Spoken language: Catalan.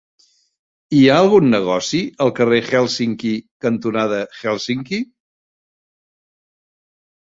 Hi ha algun negoci al carrer Hèlsinki cantonada Hèlsinki?